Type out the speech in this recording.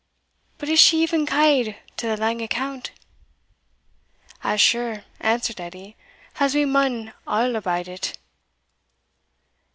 But is she e'en ca'd to the lang account?" "As sure," answered Edie, "as we maun a' abide it."